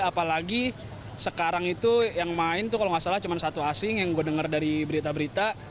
apalagi sekarang itu yang main tuh kalau nggak salah cuma satu asing yang gue denger dari berita berita